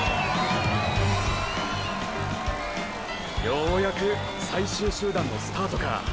ようやく最終集団のスタートか。